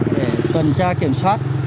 để cẩn tra kiểm soát